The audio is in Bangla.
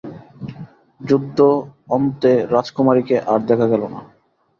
যুদ্ধ-অন্তে রাজকুমারীকে আর দেখা গেল না।